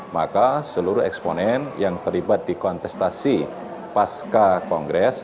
maka seluruh eksponen yang terlibat di kontestasi pasca kongres